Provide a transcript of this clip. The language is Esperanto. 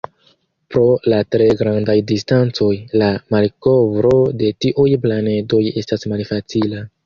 Pro la tre grandaj distancoj, la malkovro de tiuj planedoj estas malfacila.